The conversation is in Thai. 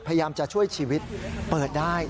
พยายามจะช่วยชีวิตเปิดได้